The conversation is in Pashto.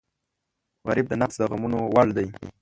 غریب د نفس د غمونو وړ دی